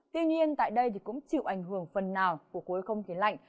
tuy nhiên tại đây cũng chịu ảnh hưởng phần nào của khối không khí lạnh